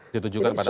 ditujukan pada ahok